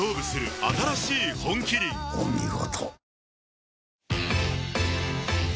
お見事。